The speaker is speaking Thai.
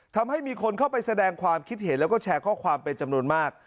ทำให้มีคนเข้าไปแสดงความคิดเห็นแล้วก็แชร์ข้อความเป็นจำนวนมาก